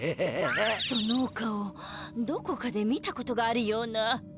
そのお顔どこかで見たことがあるような。